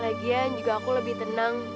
lagian juga aku lebih tenang